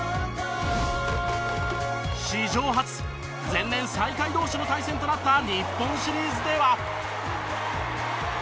史上初前年最下位同士の対戦となった日本シリーズでは。